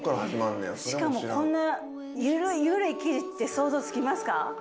しかもこんな緩い生地って想像つきますか？